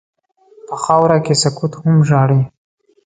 په خاوره کې سکوت هم ژاړي.